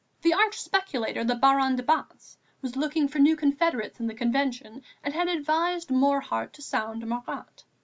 The arch speculator, the Baron de Batz, was looking for new confederates in the Convention and had advised Morhardt to sound Marat.